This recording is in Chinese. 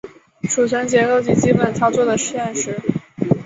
存储结构及基本操作的实现